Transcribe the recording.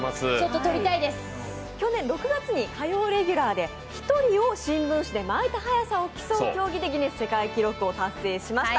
去年６月に火曜レギュラーで１人を新聞紙で巻いた記録のギネス世界記録を達成しました。